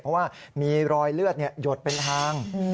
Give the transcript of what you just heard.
เพราะว่ามีรอยเลือดหยดเป็นทาง